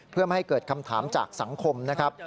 เพื่อไม่ให้เกิดคำถามจากสังคมนะครับ